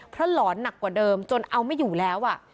เพราะหลอนหนักกว่าเดิมจนเอาไม่อยู่แล้ว